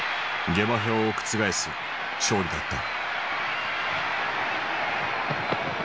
下馬評を覆す勝利だった。